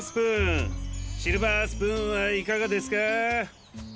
シルバースプーンはいかがですかー！